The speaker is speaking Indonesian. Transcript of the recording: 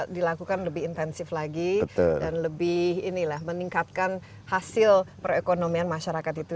dilakukan lebih intensif lagi dan lebih inilah meningkatkan hasil perekonomian masyarakat itu